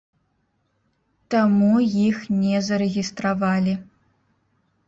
Таму іх не зарэгістравалі.